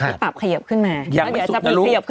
ต้องปรับขยับขึ้นมาเดี๋ยวจะพูดขยับขึ้นอีก